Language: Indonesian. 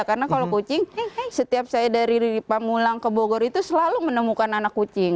karena kalau kucing setiap saya dari rilipa mulang ke bogor itu selalu menemukan anak kucing